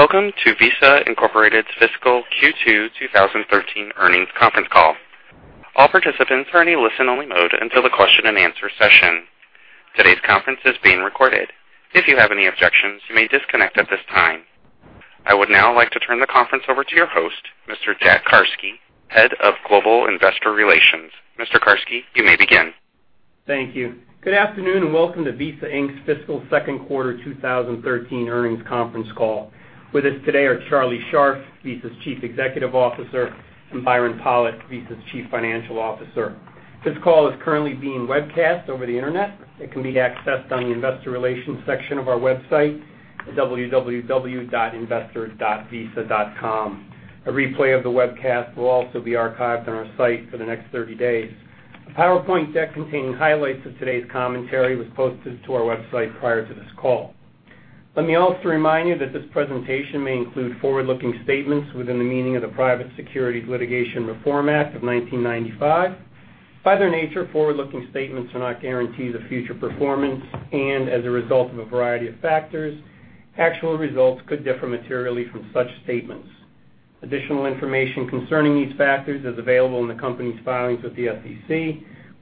Welcome to Visa Inc.'s fiscal Q2 2013 earnings conference call. All participants are in a listen-only mode until the question and answer session. Today's conference is being recorded. If you have any objections, you may disconnect at this time. I would now like to turn the conference over to your host, Mr. Jack Carsky, head of Global Investor Relations. Mr. Carsky, you may begin. Thank you. Good afternoon and welcome to Visa Inc.'s fiscal second quarter 2013 earnings conference call. With us today are Charlie Scharf, Visa's Chief Executive Officer, and Byron Pollitt, Visa's Chief Financial Officer. This call is currently being webcast over the Internet. It can be accessed on the investor relations section of our website at www.investor.visa.com. A replay of the webcast will also be archived on our site for the next 30 days. A PowerPoint deck containing highlights of today's commentary was posted to our website prior to this call. Let me also remind you that this presentation may include forward-looking statements within the meaning of the Private Securities Litigation Reform Act of 1995. By their nature, forward-looking statements do not guarantee the future performance, and as a result of a variety of factors, actual results could differ materially from such statements. Additional information concerning these factors is available in the company's filings with the SEC,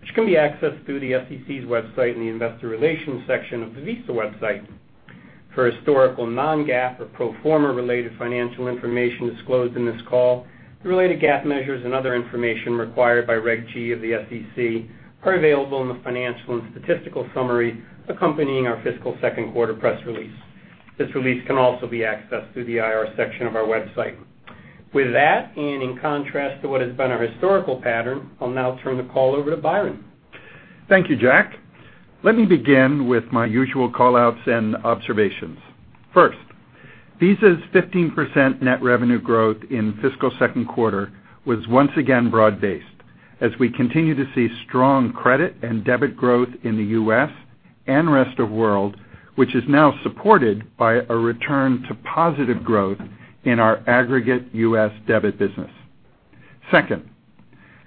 which can be accessed through the SEC's website in the investor relations section of the Visa website. For historical non-GAAP or pro forma related financial information disclosed in this call, the related GAAP measures and other information required by Regulation G of the SEC are available in the financial and statistical summary accompanying our fiscal second quarter press release. This release can also be accessed through the IR section of our website. With that, in contrast to what has been our historical pattern, I'll now turn the call over to Byron. Thank you, Jack. Let me begin with my usual call-outs and observations. First, Visa's 15% net revenue growth in fiscal second quarter was once again broad-based, as we continue to see strong credit and debit growth in the U.S. and rest of world, which is now supported by a return to positive growth in our aggregate U.S. debit business. Second,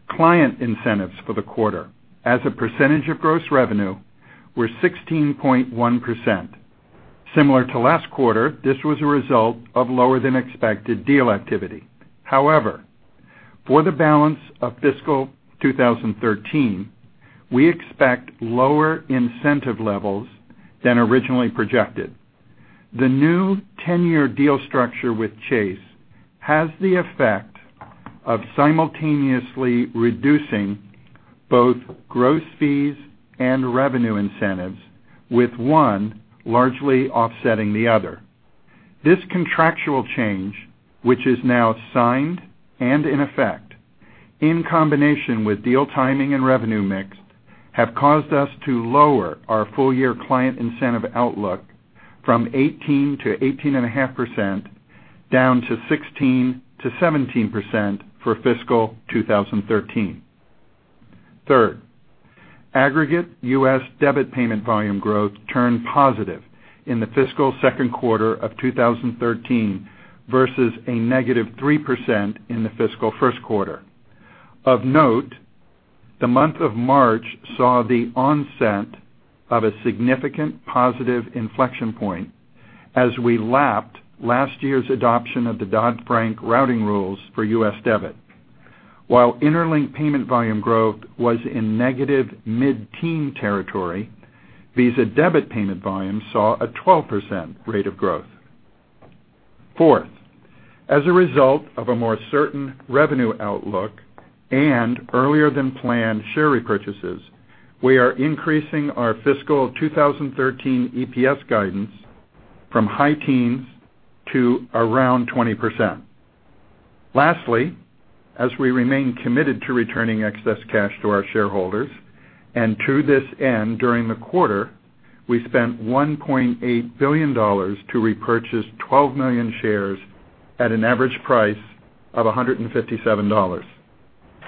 client incentives for the quarter as a percentage of gross revenue were 16.1%. Similar to last quarter, this was a result of lower than expected deal activity. However, for the balance of fiscal 2013, we expect lower incentive levels than originally projected. The new 10-year deal structure with Chase has the effect of simultaneously reducing both gross fees and revenue incentives, with one largely offsetting the other. This contractual change, which is now signed and in effect, in combination with deal timing and revenue mix, have caused us to lower our full-year client incentive outlook from 18%-18.5% down to 16%-17% for fiscal 2013. Third, aggregate U.S. debit payment volume growth turned positive in the fiscal second quarter of 2013 versus a negative 3% in the fiscal first quarter. Of note, the month of March saw the onset of a significant positive inflection point as we lapped last year's adoption of the Dodd-Frank routing rules for U.S. debit. While Interlink payment volume growth was in negative mid-teen territory, Visa Debit payment volume saw a 12% rate of growth. Fourth, as a result of a more certain revenue outlook and earlier than planned share repurchases, we are increasing our fiscal 2013 EPS guidance from high teens to around 20%. Lastly, as we remain committed to returning excess cash to our shareholders, and to this end, during the quarter, we spent $1.8 billion to repurchase 12 million shares at an average price of $157.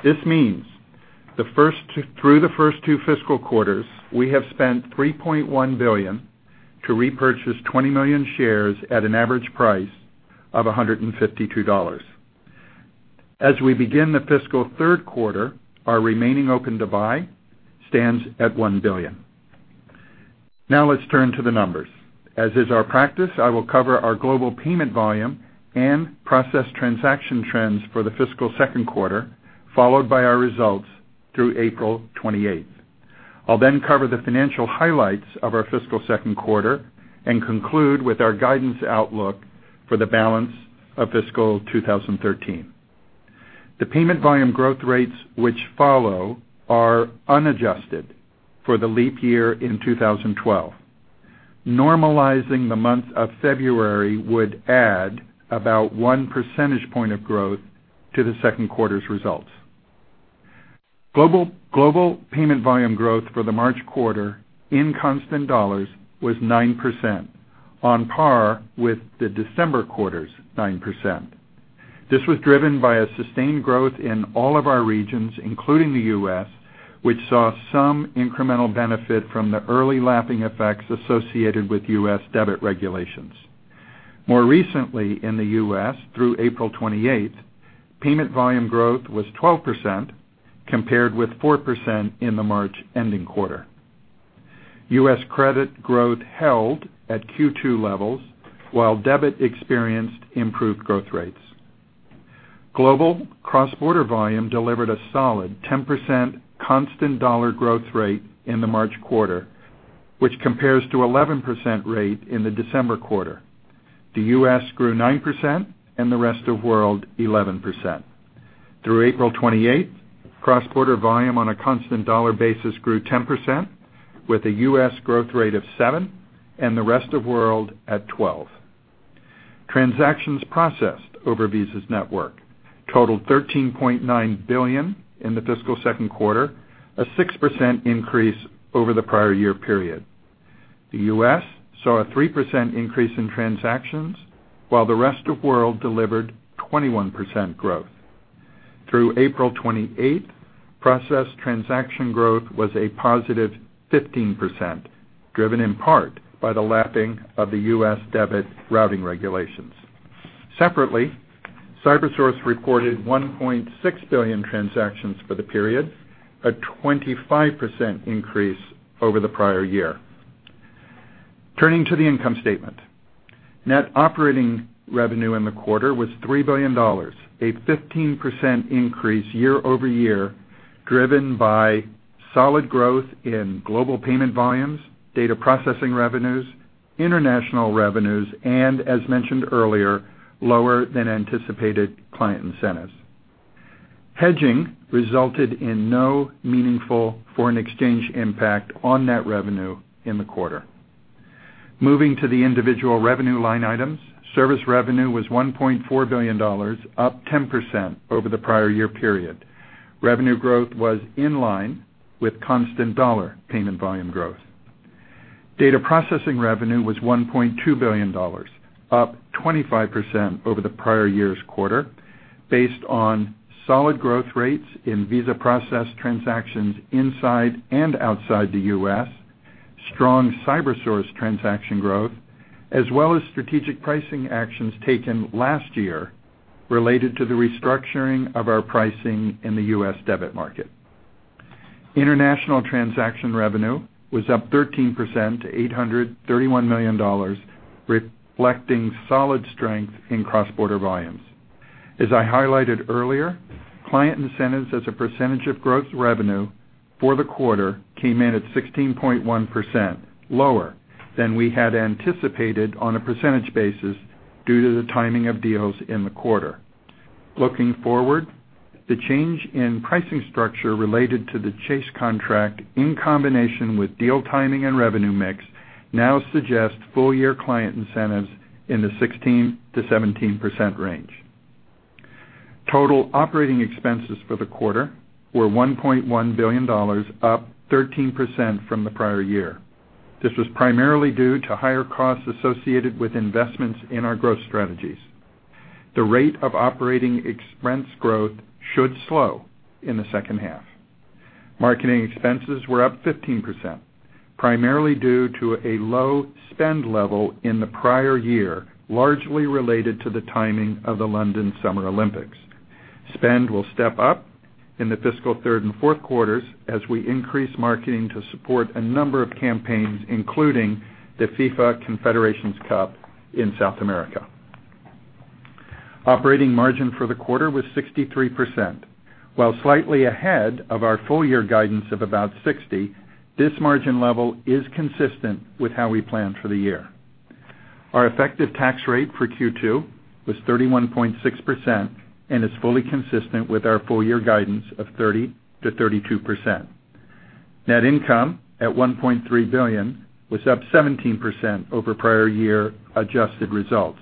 This means through the first two fiscal quarters, we have spent $3.1 billion to repurchase 20 million shares at an average price of $152. As we begin the fiscal third quarter, our remaining open to buy stands at $1 billion. Now let's turn to the numbers. As is our practice, I will cover our global payment volume and process transaction trends for the fiscal second quarter, followed by our results through April 28th. I'll then cover the financial highlights of our fiscal second quarter and conclude with our guidance outlook for the balance of fiscal 2013. The payment volume growth rates which follow are unadjusted for the leap year in 2012. Normalizing the month of February would add about one percentage point of growth to the second quarter's results. Global payment volume growth for the March quarter in constant dollars was 9%, on par with the December quarter's 9%. This was driven by a sustained growth in all of our regions, including the U.S., which saw some incremental benefit from the early lapping effects associated with U.S. debit regulations. More recently in the U.S., through April 28th, payment volume growth was 12%, compared with 4% in the March ending quarter. U.S. credit growth held at Q2 levels, while debit experienced improved growth rates. Global cross-border volume delivered a solid 10% constant dollar growth rate in the March quarter, which compares to 11% rate in the December quarter. The U.S. grew 9%, and the rest of world, 11%. Through April 28th, cross-border volume on a constant dollar basis grew 10%, with a U.S. growth rate of 7, and the rest of world at 12. Transactions processed over Visa's network totaled 13.9 billion in the fiscal second quarter, a 6% increase over the prior year period. The U.S. saw a 3% increase in transactions, while the rest of world delivered 21% growth. Through April 28th, processed transaction growth was a positive 15%, driven in part by the lapping of the U.S. debit routing regulations. Separately, CyberSource reported 1.6 billion transactions for the period, a 25% increase over the prior year. Turning to the income statement. Net operating revenue in the quarter was $3 billion, a 15% increase year-over-year, driven by solid growth in global payment volumes, data processing revenues, international revenues, and, as mentioned earlier, lower than anticipated client incentives. Hedging resulted in no meaningful foreign exchange impact on net revenue in the quarter. Moving to the individual revenue line items, service revenue was $1.4 billion, up 10% over the prior year period. Revenue growth was in line with constant dollar payment volume growth. Data processing revenue was $1.2 billion, up 25% over the prior year's quarter, based on solid growth rates in Visa processed transactions inside and outside the U.S., strong CyberSource transaction growth, as well as strategic pricing actions taken last year related to the restructuring of our pricing in the U.S. debit market. International transaction revenue was up 13% to $831 million, reflecting solid strength in cross-border volumes. As I highlighted earlier, client incentives as a percentage of gross revenue for the quarter came in at 16.1%, lower than we had anticipated on a percentage basis due to the timing of deals in the quarter. Looking forward, the change in pricing structure related to the Chase contract, in combination with deal timing and revenue mix, now suggests full-year client incentives in the 16%-17% range. Total operating expenses for the quarter were $1.1 billion, up 13% from the prior year. This was primarily due to higher costs associated with investments in our growth strategies. The rate of operating expense growth should slow in the second half. Marketing expenses were up 15%, primarily due to a low spend level in the prior year, largely related to the timing of the London Summer Olympics. Spend will step up in the fiscal third and fourth quarters as we increase marketing to support a number of campaigns, including the FIFA Confederations Cup in South America. Operating margin for the quarter was 63%. While slightly ahead of our full-year guidance of about 60%, this margin level is consistent with how we plan for the year. Our effective tax rate for Q2 was 31.6% and is fully consistent with our full-year guidance of 30%-32%. Net income at $1.3 billion was up 17% over prior year adjusted results.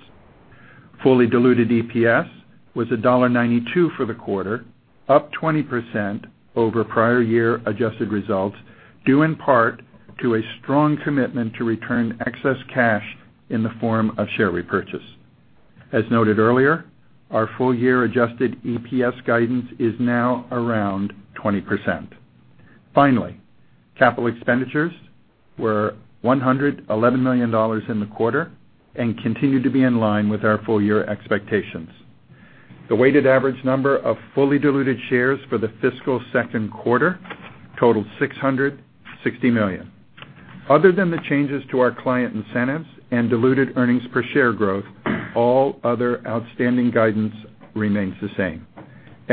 Fully diluted EPS was $1.92 for the quarter, up 20% over prior year adjusted results, due in part to a strong commitment to return excess cash in the form of share repurchase. As noted earlier, our full-year adjusted EPS guidance is now around 20%. Finally, capital expenditures were $111 million in the quarter and continue to be in line with our full-year expectations. The weighted average number of fully diluted shares for the fiscal second quarter totaled 660 million. Other than the changes to our client incentives and diluted earnings per share growth, all other outstanding guidance remains the same.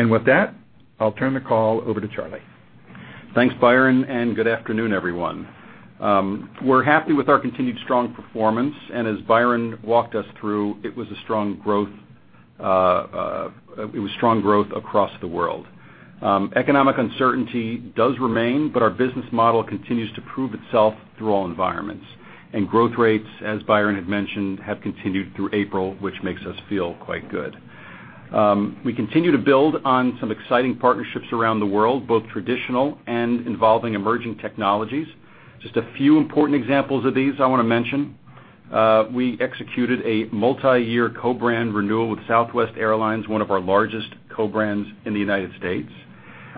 With that, I'll turn the call over to Charlie. Thanks, Byron. Good afternoon, everyone. We're happy with our continued strong performance. As Byron walked us through, it was strong growth across the world. Economic uncertainty does remain, but our business model continues to prove itself through all environments. Growth rates, as Byron had mentioned, have continued through April, which makes us feel quite good. We continue to build on some exciting partnerships around the world, both traditional and involving emerging technologies. Just a few important examples of these I want to mention. We executed a multi-year co-brand renewal with Southwest Airlines, one of our largest co-brands in the U.S.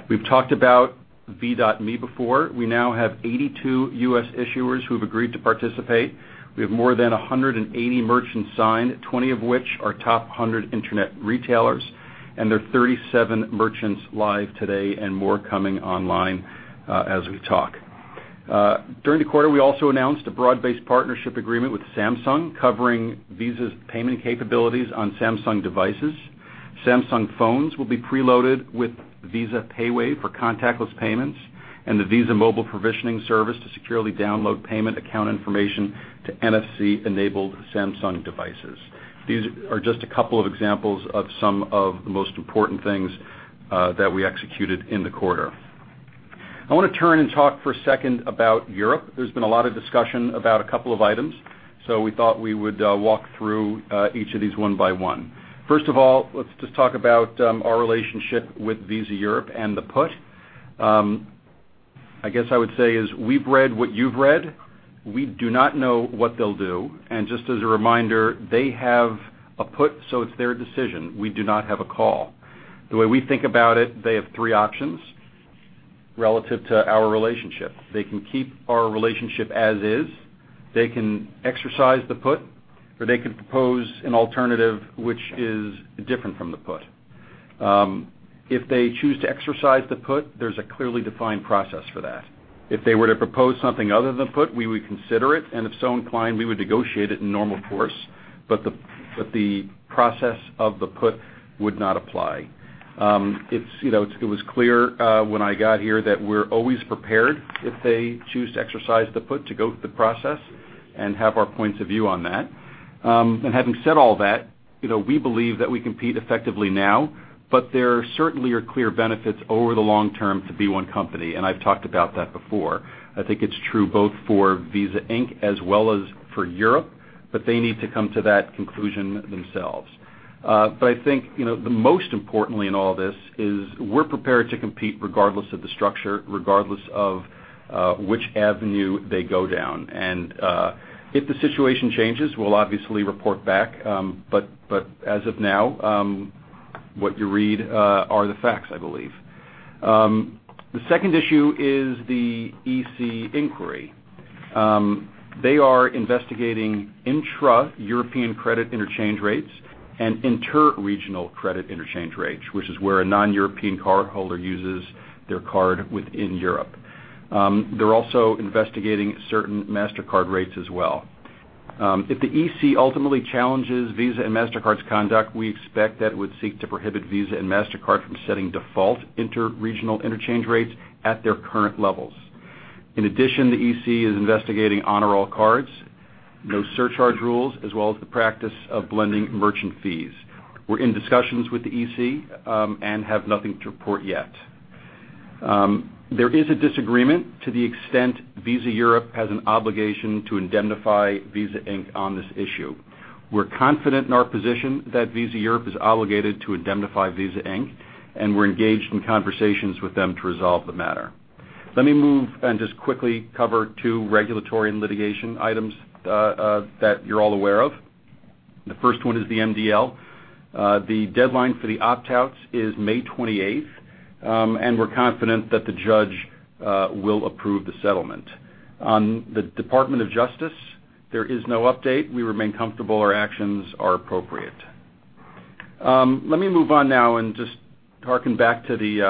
We've talked about V.me before. We now have 82 U.S. issuers who have agreed to participate. We have more than 180 merchants signed, 20 of which are top 100 internet retailers. There are 37 merchants live today and more coming online as we talk. During the quarter, we also announced a broad-based partnership agreement with Samsung, covering Visa's payment capabilities on Samsung devices. Samsung phones will be preloaded with Visa PayWave for contactless payments and the Visa Mobile Provisioning Service to securely download payment account information to NFC-enabled Samsung devices. These are just a couple of examples of some of the most important things that we executed in the quarter. I want to turn and talk for a second about Europe. There's been a lot of discussion about a couple of items, so we thought we would walk through each of these one by one. First of all, let's just talk about our relationship with Visa Europe and the put. I guess I would say is we've read what you've read. We do not know what they'll do. Just as a reminder, they have a put, so it's their decision. We do not have a call. The way we think about it, they have three options relative to our relationship. They can keep our relationship as is. They can exercise the put. They could propose an alternative which is different from the put. If they choose to exercise the put, there's a clearly defined process for that. If they were to propose something other than put, we would consider it. If so inclined, we would negotiate it in normal course. The process of the put would not apply. It was clear when I got here that we're always prepared if they choose to exercise the put to go through the process and have our points of view on that. Having said all that, we believe that we compete effectively now. There certainly are clear benefits over the long term to be one company. I've talked about that before. I think it's true both for Visa Inc. as well as for Europe. They need to come to that conclusion themselves. I think the most importantly in all this is we're prepared to compete regardless of the structure, regardless of which avenue they go down. If the situation changes, we'll obviously report back. As of now, what you read are the facts, I believe. The second issue is the EC inquiry. They are investigating intra-European credit interchange rates and interregional credit interchange rates, which is where a non-European cardholder uses their card within Europe. They're also investigating certain MasterCard rates as well. If the EC ultimately challenges Visa and MasterCard's conduct, we expect that it would seek to prohibit Visa and MasterCard from setting default interregional interchange rates at their current levels. In addition, the EC is investigating honor all cards, no surcharge rules, as well as the practice of blending merchant fees. We're in discussions with the EC and have nothing to report yet. There is a disagreement to the extent Visa Europe has an obligation to indemnify Visa Inc. on this issue. We're confident in our position that Visa Europe is obligated to indemnify Visa Inc., and we're engaged in conversations with them to resolve the matter. Let me move and just quickly cover two regulatory and litigation items that you're all aware of. The first one is the MDL. The deadline for the opt-outs is May 28th, and we're confident that the judge will approve the settlement. On the Department of Justice, there is no update. We remain comfortable our actions are appropriate. Let me move on now and just harken back to the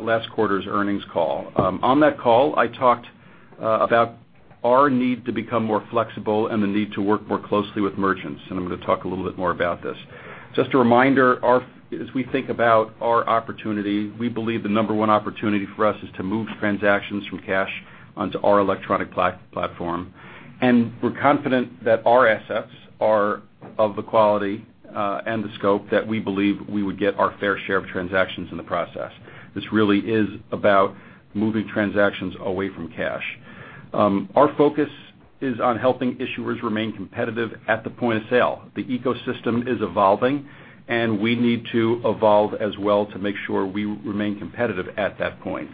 last quarter's earnings call. On that call, I talked about our need to become more flexible and the need to work more closely with merchants, and I'm going to talk a little bit more about this. Just a reminder, as we think about our opportunity, we believe the number one opportunity for us is to move transactions from cash onto our electronic platform. We're confident that our assets are of the quality and the scope that we believe we would get our fair share of transactions in the process. This really is about moving transactions away from cash. Our focus is on helping issuers remain competitive at the point of sale. The ecosystem is evolving, and we need to evolve as well to make sure we remain competitive at that point.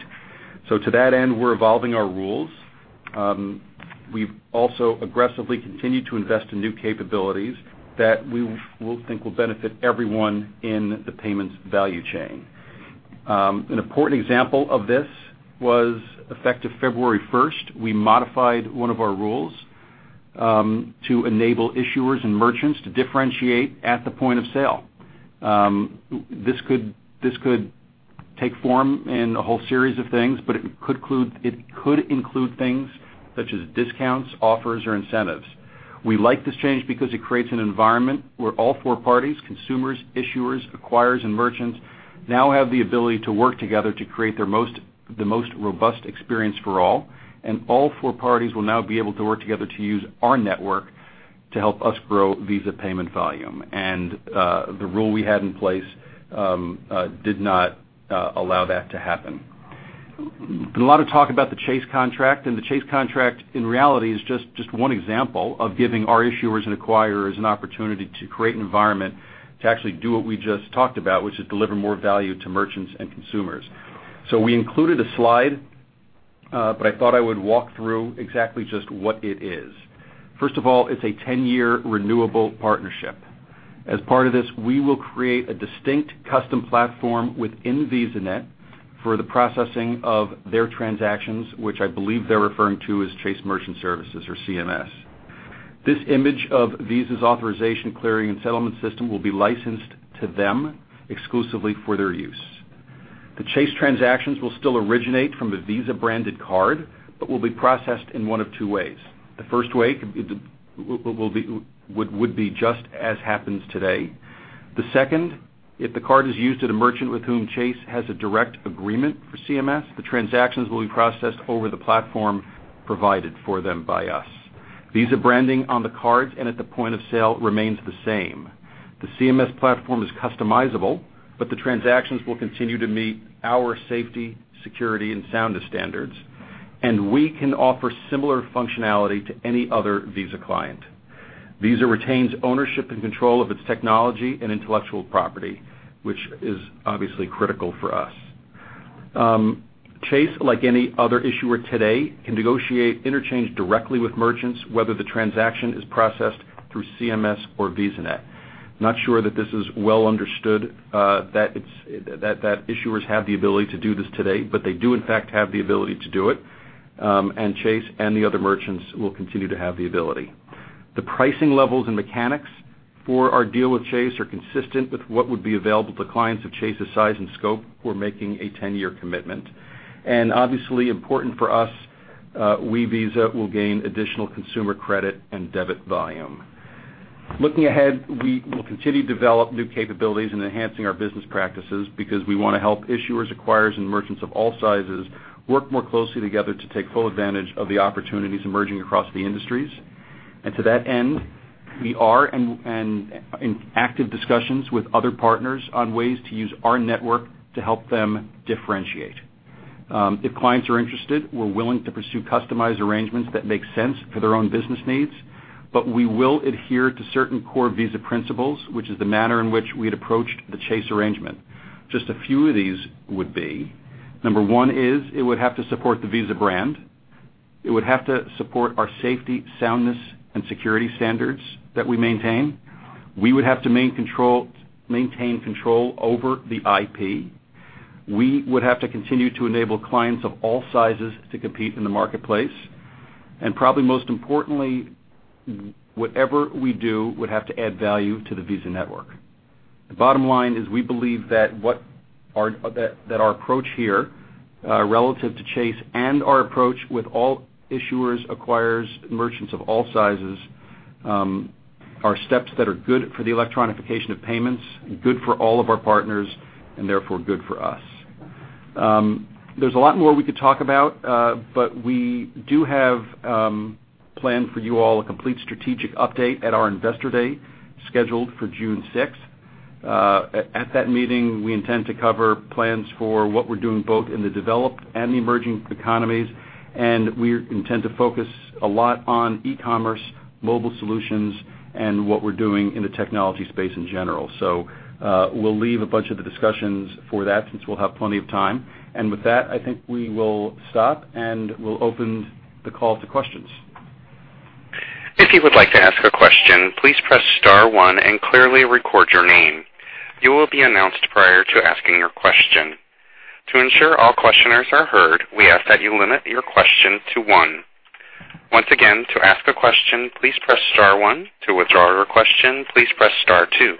To that end, we're evolving our rules. We've also aggressively continued to invest in new capabilities that we think will benefit everyone in the payments value chain. An important example of this was effective February 1st, we modified one of our rules to enable issuers and merchants to differentiate at the point of sale. This could take form in a whole series of things, but it could include things such as discounts, offers, or incentives. We like this change because it creates an environment where all four parties, consumers, issuers, acquirers, and merchants, now have the ability to work together to create the most robust experience for all, and all four parties will now be able to work together to use our network to help us grow Visa payment volume. The rule we had in place did not allow that to happen. There's been a lot of talk about the Chase contract, and the Chase contract, in reality, is just one example of giving our issuers and acquirers an opportunity to create an environment to actually do what we just talked about, which is deliver more value to merchants and consumers. We included a slide, but I thought I would walk through exactly just what it is. First of all, it's a 10-year renewable partnership. As part of this, we will create a distinct custom platform within VisaNet for the processing of their transactions, which I believe they're referring to as Chase Merchant Services or CMS. This image of Visa's authorization clearing and settlement system will be licensed to them exclusively for their use. The Chase transactions will still originate from the Visa-branded card, but will be processed in one of two ways. The first way would be just as happens today. The second, if the card is used at a merchant with whom Chase has a direct agreement for CMS, the transactions will be processed over the platform provided for them by us. Visa branding on the cards and at the point of sale remains the same. The CMS platform is customizable, but the transactions will continue to meet our safety, security, and soundness standards, and we can offer similar functionality to any other Visa client. Visa retains ownership and control of its technology and intellectual property, which is obviously critical for us. Chase, like any other issuer today, can negotiate interchange directly with merchants, whether the transaction is processed through CMS or VisaNet. Not sure that this is well understood that issuers have the ability to do this today, but they do in fact have the ability to do it. Chase and the other merchants will continue to have the ability. The pricing levels and mechanics for our deal with Chase are consistent with what would be available to clients of Chase's size and scope who are making a 10-year commitment. Obviously important for us, we, Visa, will gain additional consumer credit and debit volume. Looking ahead, we will continue to develop new capabilities and enhancing our business practices because we want to help issuers, acquirers, and merchants of all sizes work more closely together to take full advantage of the opportunities emerging across the industries. To that end, we are in active discussions with other partners on ways to use our network to help them differentiate. If clients are interested, we're willing to pursue customized arrangements that make sense for their own business needs. We will adhere to certain core Visa principles, which is the manner in which we'd approached the Chase arrangement. Just a few of these would be, number 1 is it would have to support the Visa brand. It would have to support our safety, soundness, and security standards that we maintain. We would have to maintain control over the IP. We would have to continue to enable clients of all sizes to compete in the marketplace. Probably most importantly, whatever we do would have to add value to the Visa network. The bottom line is we believe that our approach here, relative to Chase and our approach with all issuers, acquirers, merchants of all sizes, are steps that are good for the electronification of payments, good for all of our partners, and therefore good for us. There's a lot more we could talk about, but we do have planned for you all a complete strategic update at our investor day scheduled for June 6th. At that meeting, we intend to cover plans for what we're doing both in the developed and the emerging economies, we intend to focus a lot on e-commerce, mobile solutions, and what we're doing in the technology space in general. We'll leave a bunch of the discussions for that since we'll have plenty of time. With that, I think we will stop, and we'll open the call to questions. If you would like to ask a question, please press star one and clearly record your name. You will be announced prior to asking your question. To ensure all questioners are heard, we ask that you limit your question to one. Once again, to ask a question, please press star one. To withdraw your question, please press star two.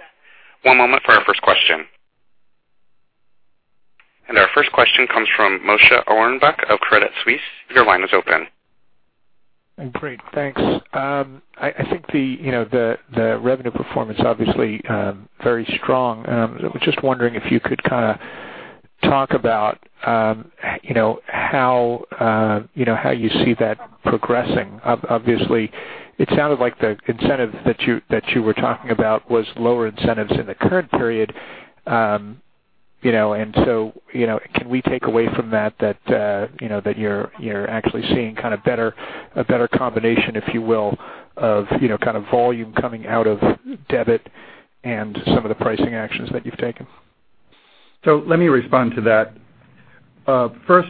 One moment for our first question. Our first question comes from Moshe Orenbuch of Credit Suisse. Your line is open. Great. Thanks. I think the revenue performance, obviously, very strong. I was just wondering if you could talk about how you see that progressing. Obviously, it sounded like the incentive that you were talking about was lower incentives in the current period. Can we take away from that that you're actually seeing a better combination, if you will, of volume coming out of debit and some of the pricing actions that you've taken? Let me respond to that. First,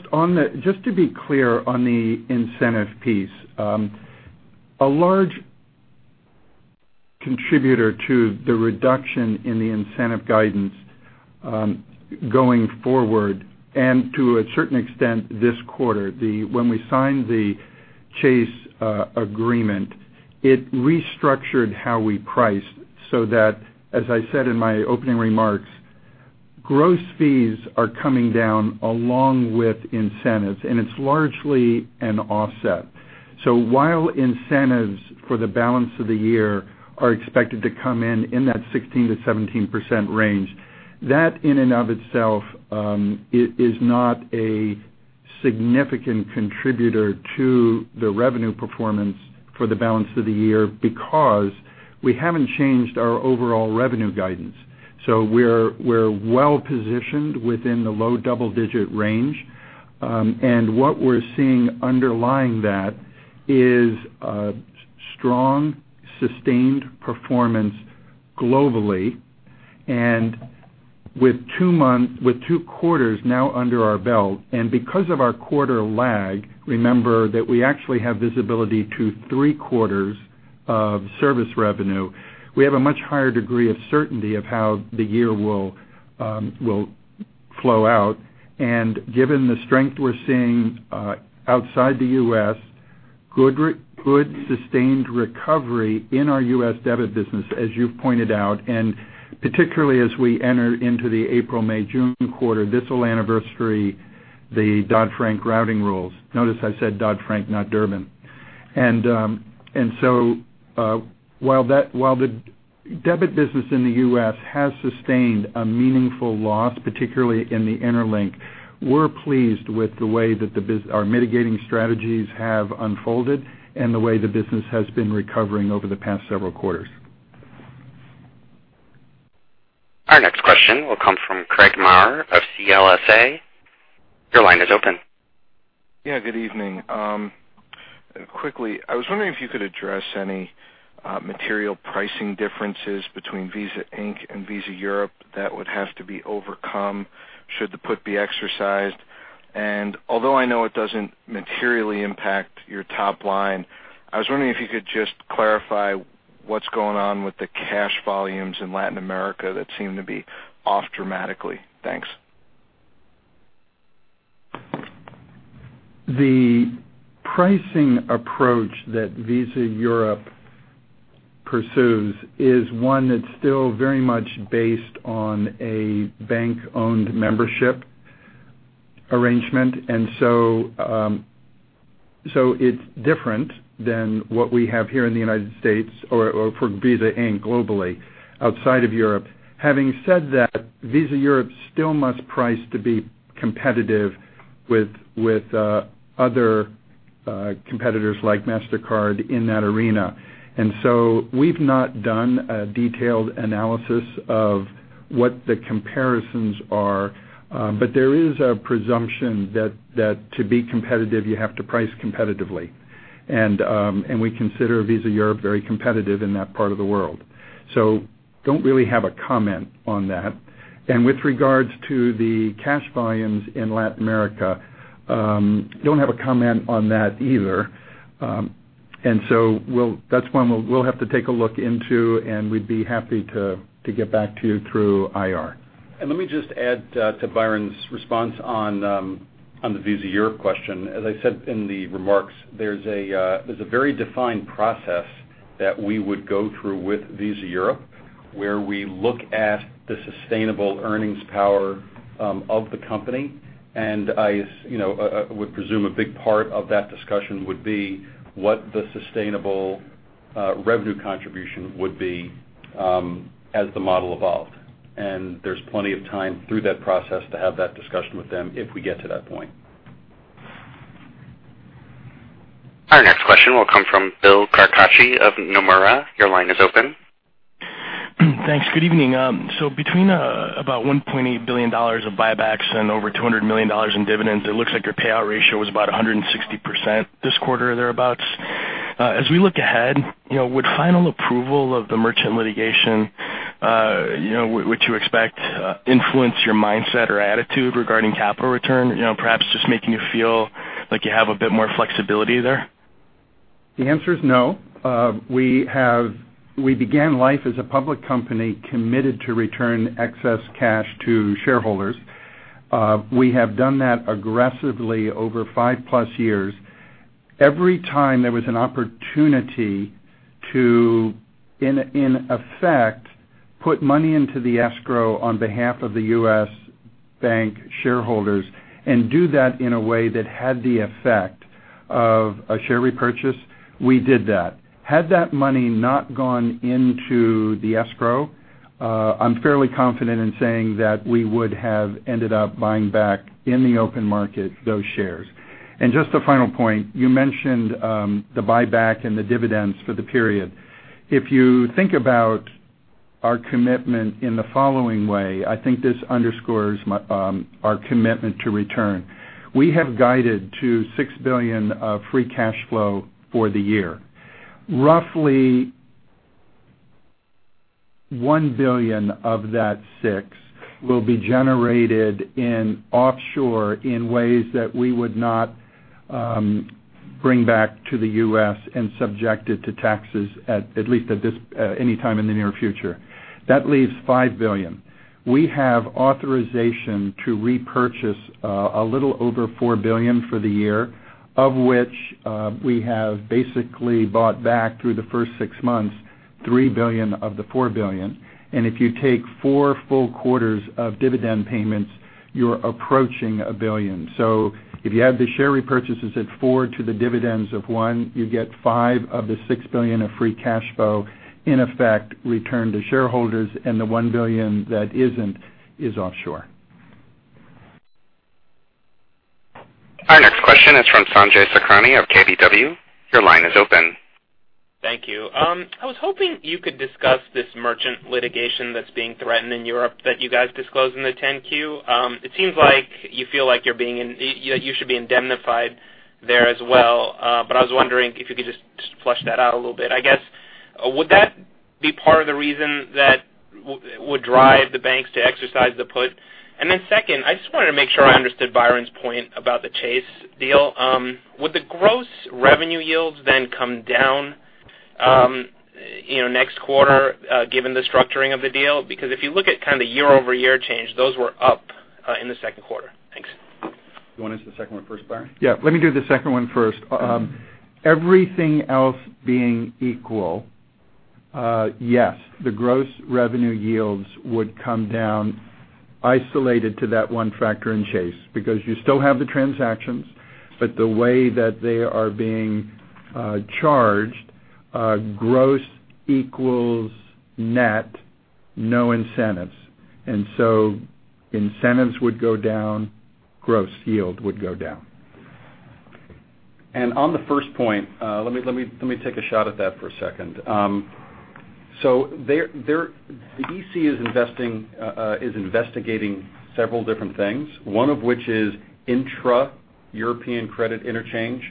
just to be clear on the incentive piece. A large contributor to the reduction in the incentive guidance going forward, and to a certain extent this quarter, when we signed the Chase agreement, it restructured how we priced so that, as I said in my opening remarks, gross fees are coming down along with incentives, and it's largely an offset. While incentives for the balance of the year are expected to come in in that 16%-17% range, that in and of itself is not a significant contributor to the revenue performance for the balance of the year because we haven't changed our overall revenue guidance. We're well-positioned within the low double-digit range, and what we're seeing underlying that is a strong, sustained performance globally with two quarters now under our belt. Because of our quarter lag, remember that we actually have visibility to three quarters of service revenue. We have a much higher degree of certainty of how the year will flow out. Given the strength we're seeing outside the U.S., good sustained recovery in our U.S. debit business, as you've pointed out, and particularly as we enter into the April-May-June quarter, this will anniversary the Dodd-Frank routing rules. Notice I said Dodd-Frank, not Durbin. While the debit business in the U.S. has sustained a meaningful loss, particularly in the Interlink, we're pleased with the way that our mitigating strategies have unfolded and the way the business has been recovering over the past several quarters. Our next question will come from Craig Maurer of CLSA. Your line is open. Yeah, good evening. Quickly, I was wondering if you could address any material pricing differences between Visa Inc. and Visa Europe that would have to be overcome should the put be exercised. Although I know it doesn't materially impact your top line, I was wondering if you could just clarify what's going on with the cash volumes in Latin America that seem to be off dramatically. Thanks. The pricing approach that Visa Europe pursues is one that's still very much based on a bank-owned membership arrangement. It's different than what we have here in the U.S. or for Visa Inc. globally outside of Europe. Having said that, Visa Europe still must price to be competitive with other competitors like MasterCard in that arena. We've not done a detailed analysis of what the comparisons are. There is a presumption that to be competitive, you have to price competitively. We consider Visa Europe very competitive in that part of the world. Don't really have a comment on that. With regards to the cash volumes in Latin America, don't have a comment on that either. That's one we'll have to take a look into, and we'd be happy to get back to you through IR. Let me just add to Byron's response on the Visa Europe question. As I said in the remarks, there's a very defined process that we would go through with Visa Europe where we look at the sustainable earnings power of the company, and I would presume a big part of that discussion would be what the sustainable revenue contribution would be as the model evolved. There's plenty of time through that process to have that discussion with them if we get to that point. Our next question will come from Bill Carcache of Nomura. Your line is open. Thanks. Good evening. Between about $1.8 billion of buybacks and over $200 million in dividends, it looks like your payout ratio was about 160% this quarter or thereabouts. As we look ahead, would final approval of the merchant litigation influence your mindset or attitude regarding capital return, perhaps just making you feel like you have a bit more flexibility there? The answer is no. We began life as a public company committed to return excess cash to shareholders. We have done that aggressively over 5+ years. Every time there was an opportunity to, in effect, put money into the escrow on behalf of the U.S. bank shareholders and do that in a way that had the effect of a share repurchase, we did that. Had that money not gone into the escrow, I'm fairly confident in saying that we would have ended up buying back in the open market those shares. Just a final point, you mentioned the buyback and the dividends for the period. If you think about our commitment in the following way, I think this underscores our commitment to return. We have guided to $6 billion of free cash flow for the year. Roughly $1 billion of that 6 will be generated in offshore in ways that we would not bring back to the U.S. and subject it to taxes, at least any time in the near future. That leaves $5 billion. We have authorization to repurchase a little over $4 billion for the year, of which we have basically bought back through the first 6 months, $3 billion of the $4 billion. If you take 4 full quarters of dividend payments, you're approaching $1 billion. If you add the share repurchases at $4 billion to the dividends of $1 billion, you get $5 billion of the $6 billion of free cash flow in effect returned to shareholders, and the $1 billion that isn't is offshore. Our next question is from Sanjay Sakhrani of KBW. Your line is open. Thank you. I was hoping you could discuss this merchant litigation that's being threatened in Europe that you guys disclosed in the 10-Q. It seems like you feel like you should be indemnified there as well. I was wondering if you could just flesh that out a little bit. I guess, would that be part of the reason that would drive the banks to exercise the put? Then second, I just wanted to make sure I understood Byron's point about the Chase deal. Would the gross revenue yields then come down Next quarter, given the structuring of the deal? Because if you look at kind of year-over-year change, those were up in the second quarter. Thanks. You want to answer the second one first, Byron? Yeah. Let me do the second one first. Everything else being equal, yes, the gross revenue yields would come down isolated to that one factor in Chase, because you still have the transactions, but the way that they are being charged, gross equals net, no incentives. Incentives would go down, gross yield would go down. On the first point, let me take a shot at that for a second. The EC is investigating several different things, one of which is intra-European credit interchange.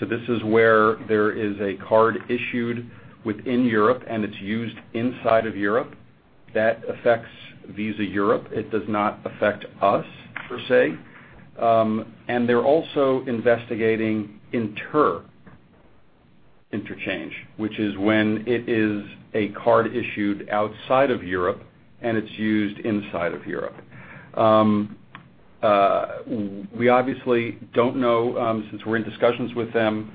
This is where there is a card issued within Europe, and it's used inside of Europe. That affects Visa Europe. It does not affect us, per se. They're also investigating inter interchange, which is when it is a card issued outside of Europe and it's used inside of Europe. We obviously don't know, since we're in discussions with them,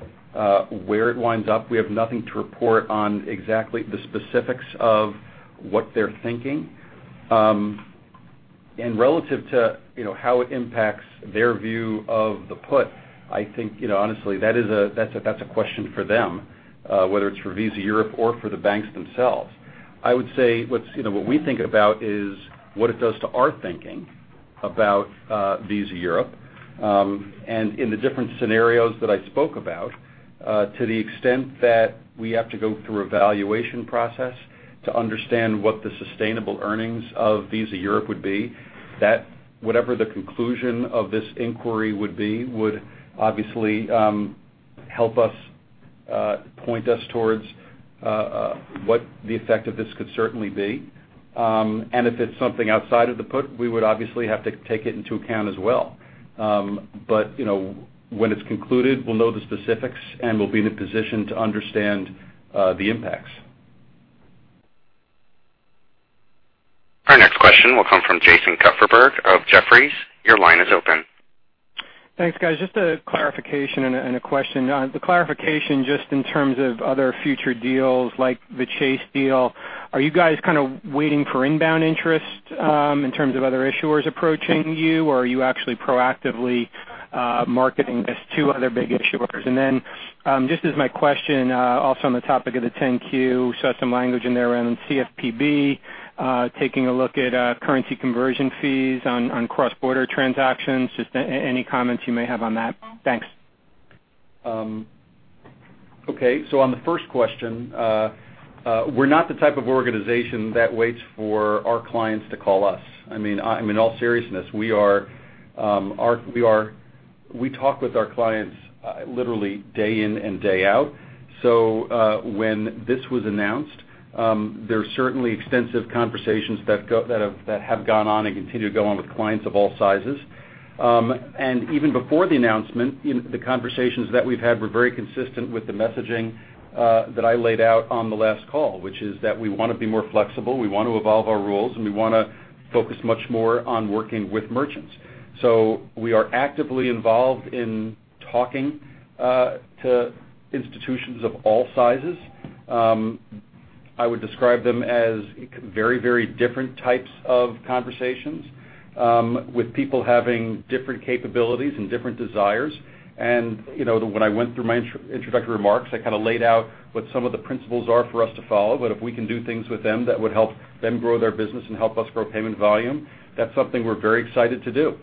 where it winds up. We have nothing to report on exactly the specifics of what they're thinking. Relative to how it impacts their view of the put, I think, honestly, that's a question for them, whether it's for Visa Europe or for the banks themselves. In the different scenarios that I spoke about, to the extent that we have to go through a valuation process to understand what the sustainable earnings of Visa Europe would be, whatever the conclusion of this inquiry would be would obviously help us, point us towards what the effect of this could certainly be. If it's something outside of the put, we would obviously have to take it into account as well. When it's concluded, we'll know the specifics, and we'll be in a position to understand the impacts. Our next question will come from Jason Kupferberg of Jefferies. Your line is open. Thanks, guys. Just a clarification and a question. The clarification just in terms of other future deals like the Chase deal. Are you guys kind of waiting for inbound interest in terms of other issuers approaching you, or are you actually proactively marketing this to other big issuers? Just as my question, also on the topic of the 10-Q, saw some language in there around CFPB taking a look at currency conversion fees on cross-border transactions. Just any comments you may have on that. Thanks. Okay. On the first question, we're not the type of organization that waits for our clients to call us. I mean, in all seriousness, we talk with our clients literally day in and day out. When this was announced, there's certainly extensive conversations that have gone on and continue to go on with clients of all sizes. Even before the announcement, the conversations that we've had were very consistent with the messaging that I laid out on the last call, which is that we want to be more flexible, we want to evolve our rules, and we want to focus much more on working with merchants. We are actively involved in talking to institutions of all sizes. I would describe them as very, very different types of conversations, with people having different capabilities and different desires. When I went through my introductory remarks, I kind of laid out what some of the principles are for us to follow. If we can do things with them that would help them grow their business and help us grow payment volume, that's something we're very excited to do.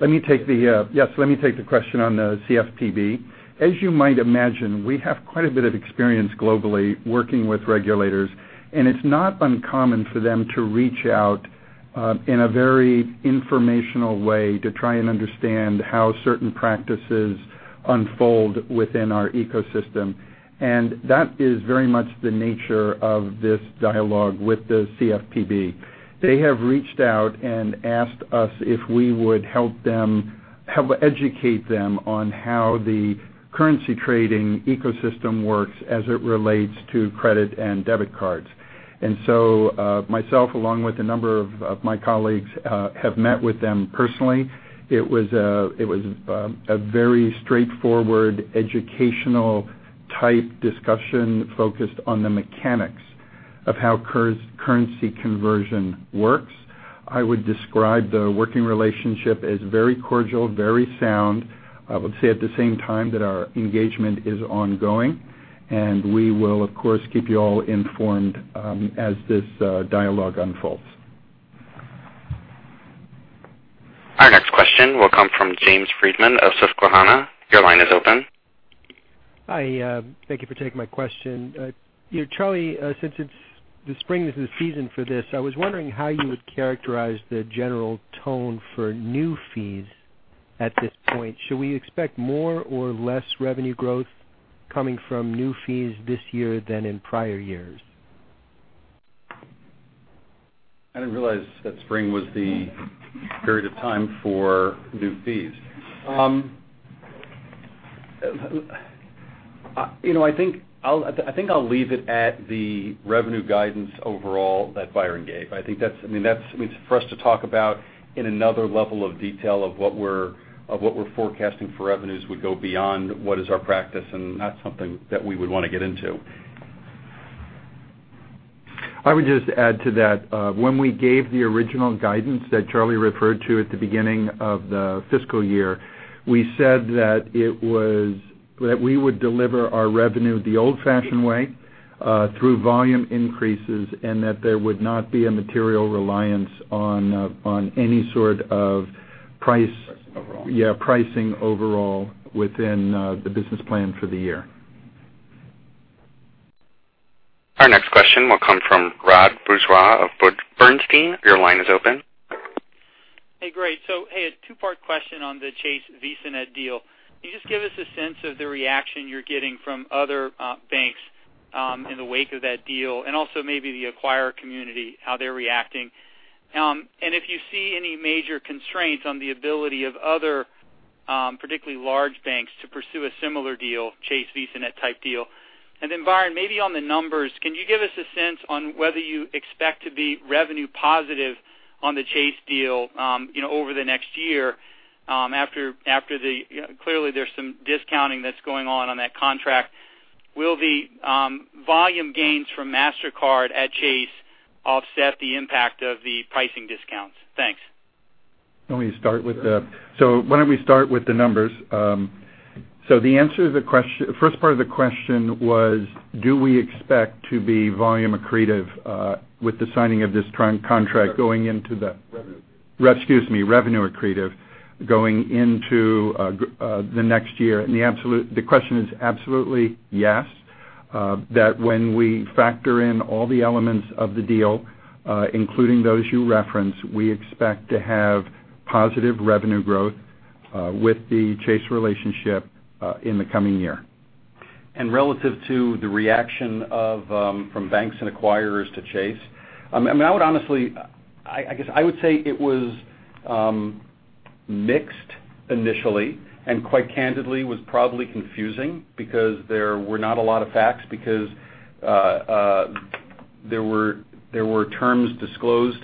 Yes, let me take the question on the CFPB. As you might imagine, we have quite a bit of experience globally working with regulators, and it's not uncommon for them to reach out in a very informational way to try and understand how certain practices unfold within our ecosystem. That is very much the nature of this dialogue with the CFPB. They have reached out and asked us if we would help educate them on how the currency trading ecosystem works as it relates to credit and debit cards. Myself, along with a number of my colleagues have met with them personally. It was a very straightforward educational type discussion focused on the mechanics of how currency conversion works. I would describe the working relationship as very cordial, very sound. I would say at the same time that our engagement is ongoing, and we will, of course, keep you all informed as this dialogue unfolds. Our next question will come from James Friedman of Susquehanna. Your line is open. Hi. Thank you for taking my question. Charlie, since the spring is the season for this, I was wondering how you would characterize the general tone for new fees at this point. Should we expect more or less revenue growth coming from new fees this year than in prior years? I didn't realize that spring was the period of time for new fees. I think I'll leave it at the revenue guidance overall that Byron gave. I think for us to talk about in another level of detail of what we're forecasting for revenues would go beyond what is our practice, and not something that we would want to get into. I would just add to that, when we gave the original guidance that Charlie referred to at the beginning of the fiscal year, we said that we would deliver our revenue the old-fashioned way, through volume increases, and that there would not be a material reliance on any sort of price- Pricing overall. Yeah, pricing overall within the business plan for the year. Our next question will come from Rod Bourgeois of Bernstein. Your line is open. Hey, great. Hey, a two-part question on the Chase VisaNet deal. Can you just give us a sense of the reaction you're getting from other banks in the wake of that deal, and also maybe the acquirer community, how they're reacting? If you see any major constraints on the ability of other, particularly large banks, to pursue a similar deal, Chase VisaNet type deal. Byron, maybe on the numbers, can you give us a sense on whether you expect to be revenue positive on the Chase deal over the next year? Clearly, there's some discounting that's going on that contract. Will the volume gains from MasterCard at Chase offset the impact of the pricing discounts? Thanks. Why don't we start with the numbers? The first part of the question was do we expect to be volume accretive with the signing of this contract going into. Revenue. Excuse me, revenue accretive going into the next year. The question is absolutely yes. That when we factor in all the elements of the deal, including those you referenced, we expect to have positive revenue growth with the Chase relationship in the coming year. Relative to the reaction from banks and acquirers to Chase, I would say it was mixed initially, and quite candidly, was probably confusing because there were not a lot of facts because there were terms disclosed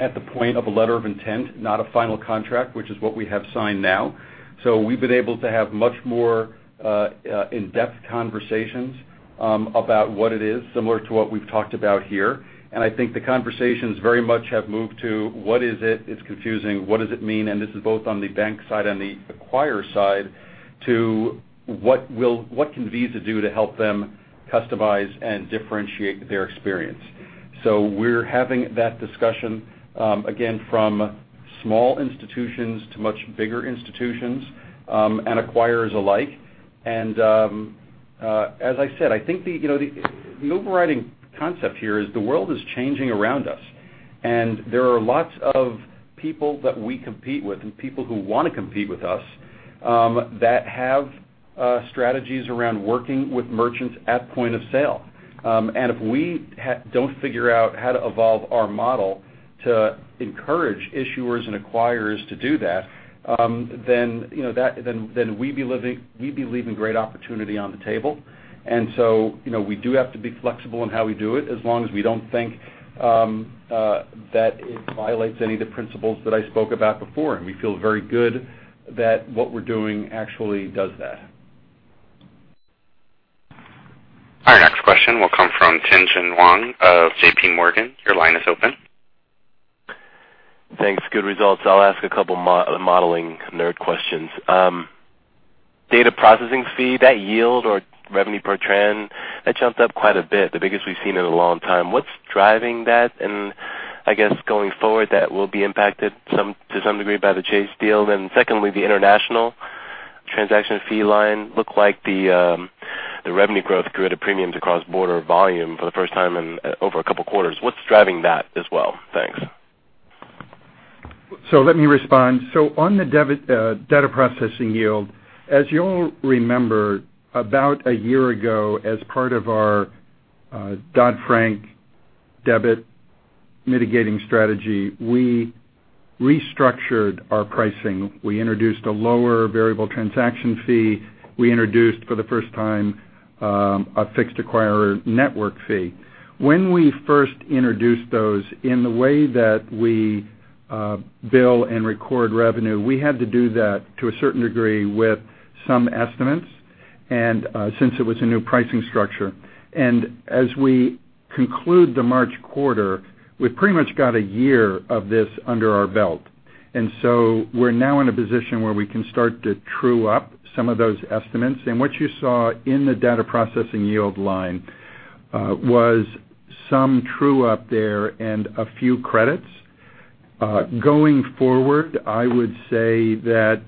at the point of a letter of intent, not a final contract, which is what we have signed now. We've been able to have much more in-depth conversations about what it is, similar to what we've talked about here. I think the conversations very much have moved to what is it? It's confusing. What does it mean? This is both on the bank side and the acquirer side to what can Visa do to help them customize and differentiate their experience. We're having that discussion, again, from small institutions to much bigger institutions, and acquirers alike. As I said, I think the overriding concept here is the world is changing around us. There are lots of people that we compete with and people who want to compete with us that have strategies around working with merchants at point of sale. If we don't figure out how to evolve our model to encourage issuers and acquirers to do that, then we'd be leaving great opportunity on the table. We do have to be flexible in how we do it, as long as we don't think that it violates any of the principles that I spoke about before. We feel very good that what we're doing actually does that. Our next question will come from Tien-Tsin Huang of JP Morgan. Your line is open. Thanks. Good results. I'll ask two modeling nerd questions. Data processing fee, that yield or revenue per tran, that jumped up quite a bit, the biggest we've seen in a long time. What's driving that? I guess going forward, that will be impacted to some degree by the Chase deal. Secondly, the international transaction fee line looked like the revenue growth grew at a premium to cross-border volume for the first time in over two quarters. What's driving that as well? Thanks. Let me respond. On the data processing yield, as you all remember, about one year ago, as part of our Dodd-Frank debit mitigating strategy, we restructured our pricing. We introduced a lower variable transaction fee. We introduced, for the first time, a fixed acquirer network fee. When we first introduced those in the way that we bill and record revenue, we had to do that to a certain degree with some estimates, and since it was a new pricing structure. As we conclude the March quarter, we've pretty much got one year of this under our belt. We're now in a position where we can start to true up some of those estimates. What you saw in the data processing yield line was some true up there and a few credits. Going forward, I would say that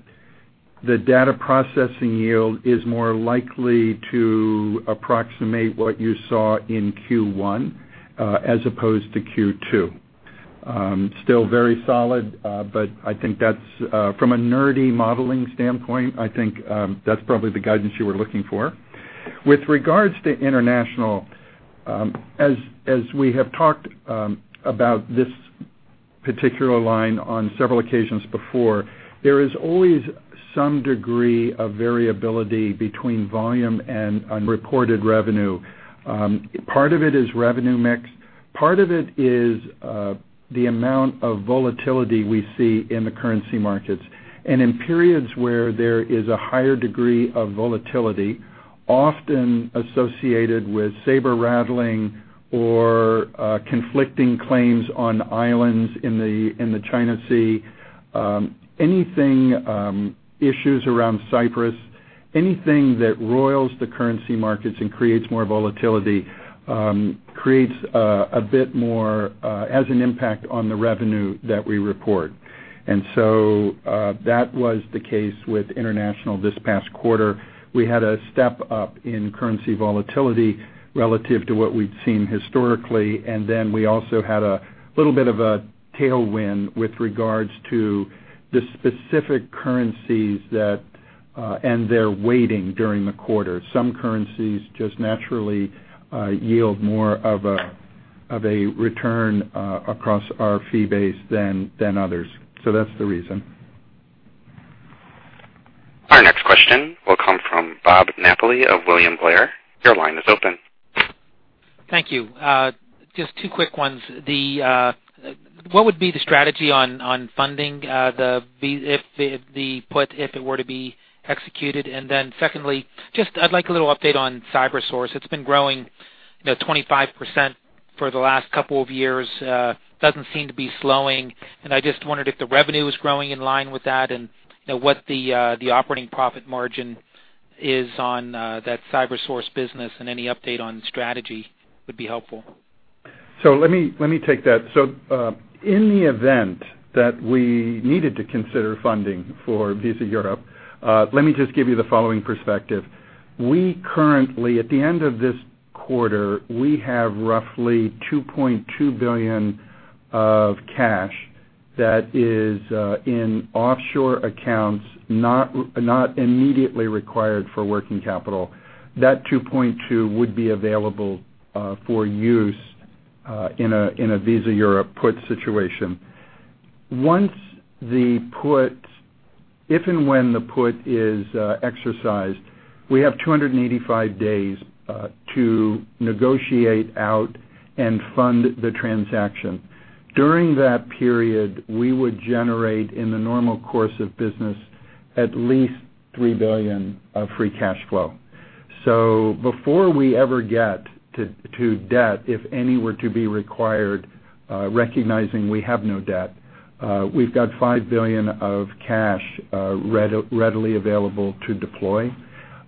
the data processing yield is more likely to approximate what you saw in Q1 as opposed to Q2, still very solid, but from a nerdy modeling standpoint, I think that's probably the guidance you were looking for. With regards to international, as we have talked about this particular line on several occasions before, there is always some degree of variability between volume and unreported revenue. Part of it is revenue mix. Part of it is the amount of volatility we see in the currency markets. In periods where there is a higher degree of volatility, often associated with saber-rattling or conflicting claims on islands in the China Sea, issues around Cyprus, anything that roils the currency markets and creates more volatility has an impact on the revenue that we report. That was the case with international this past quarter. We had a step up in currency volatility relative to what we'd seen historically, we also had a little bit of a tailwind with regards to the specific currencies and their weighting during the quarter. Some currencies just naturally yield more of a return across our fee base than others. That's the reason. Our next question will come from Bob Napoli of William Blair. Your line is open. Thank you. Just two quick ones. What would be the strategy on funding the put if it were to be executed? Secondly, I'd like a little update on CyberSource. It's been growing 25% for the last couple of years, doesn't seem to be slowing. I just wondered if the revenue is growing in line with that, and what the operating profit margin is on that CyberSource business. Any update on strategy would be helpful. Let me take that. In the event that we needed to consider funding for Visa Europe, let me just give you the following perspective. We currently, at the end of this quarter, we have roughly $2.2 billion of cash that is in offshore accounts, not immediately required for working capital. That $2.2 would be available for use in a Visa Europe put situation. Once the put, if and when the put is exercised, we have 285 days to negotiate out and fund the transaction. During that period, we would generate, in the normal course of business, at least $3 billion of free cash flow. Before we ever get to debt, if any were to be required, recognizing we have no debt, we've got $5 billion of cash readily available to deploy.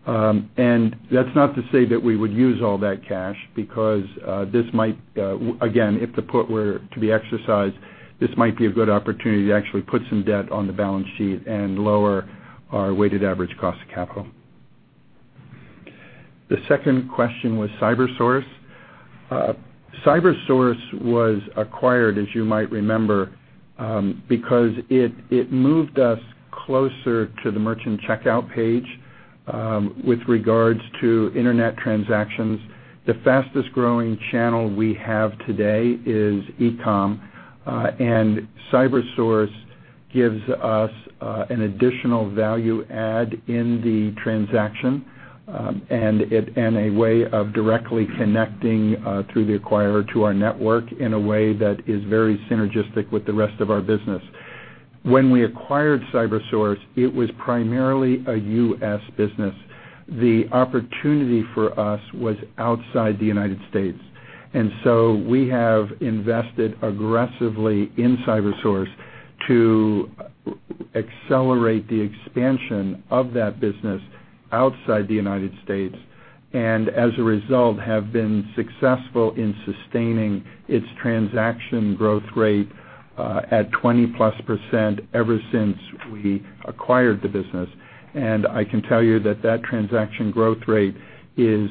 That's not to say that we would use all that cash because this might, again, if the put were to be exercised, this might be a good opportunity to actually put some debt on the balance sheet and lower our weighted average cost of capital. The second question was CyberSource. CyberSource was acquired, as you might remember because it moved us closer to the merchant checkout page with regards to internet transactions. The fastest-growing channel we have today is e-com. CyberSource gives us an additional value add in the transaction and a way of directly connecting through the acquirer to our network in a way that is very synergistic with the rest of our business. When we acquired CyberSource, it was primarily a U.S. business. The opportunity for us was outside the United States. We have invested aggressively in CyberSource to accelerate the expansion of that business outside the U.S., and as a result, have been successful in sustaining its transaction growth rate at 20-plus% ever since we acquired the business. I can tell you that that transaction growth rate is